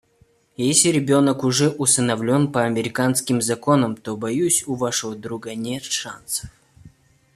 Если ребенок уже усыновлен по американским законам, то, боюсь, у вашего друга нет шансов.